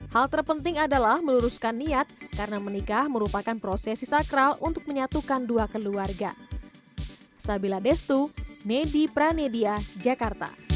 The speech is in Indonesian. hal terpenting adalah meluruskan niat karena menikah merupakan prosesi sakral untuk menyatukan dua keluarga